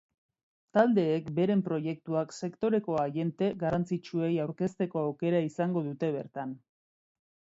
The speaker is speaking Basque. Taldeek beren proiektuak sektoreko agente garrantzitsuei aurkezteko aukera izango dute bertan.